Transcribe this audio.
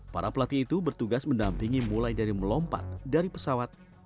para pelatih itu bertugas mendampingi mulai dari melompat dari pesawat